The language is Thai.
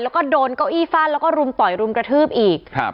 แล้วก็โดนเก้าอี้ฟาดแล้วก็รุมต่อยรุมกระทืบอีกครับ